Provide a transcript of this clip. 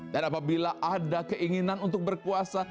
dan apabila ada keinginan untuk berkuasa